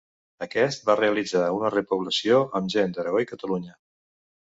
Aquest va realitzar una repoblació amb gent d'Aragó i Catalunya.